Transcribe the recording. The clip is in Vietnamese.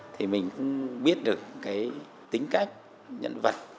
thì mình cũng biết được cái tính cách nhân vật